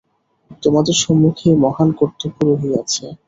তোমাদের সম্মুখে এই মহান কর্তব্য রহিয়াছে।